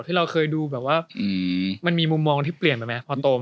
ที่เราเคยดูแบบว่ามันมีมุมมองที่เปลี่ยนไปไหมพอโตมา